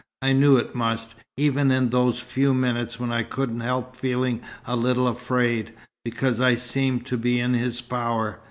"I knew it must, even in those few minutes when I couldn't help feeling a little afraid, because I seemed to be in his power.